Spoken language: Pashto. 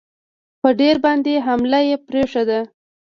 پر دیر باندي حمله یې پرېښوده.